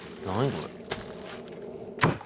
これ。